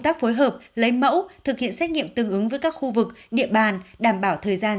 tác phối hợp lấy mẫu thực hiện xét nghiệm tương ứng với các khu vực địa bàn đảm bảo thời gian